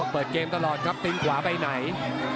เปิดเกมตลอดครับติ๊งขวาไปไหน